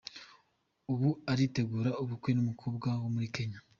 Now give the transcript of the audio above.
Ubu, aritegura ubukwe n’umukobwa wo muri Kenya.